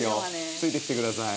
ついてきてください。